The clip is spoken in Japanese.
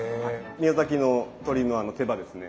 宮崎の鶏の手羽ですね。